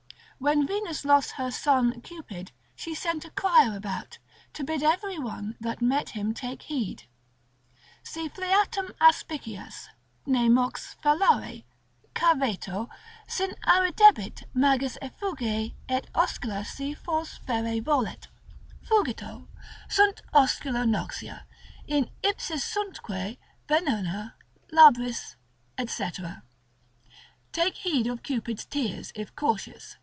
When Venus lost her son Cupid, she sent a crier about, to bid every one that met him take heed. Si fleatam aspicias, ne mox fallare, caveto; Sin arridebit, magis effuge; et oscula si fors Ferre volet, fugito; sunt oscula noxia, in ipsis Suntque venena labris &c. Take heed of Cupid's tears, if cautious.